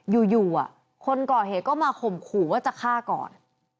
อยู่คนก่อเหตุก็มาข่มขู่ว่าจะฆ่าก่อน